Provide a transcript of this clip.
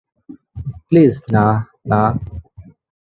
Please না, না।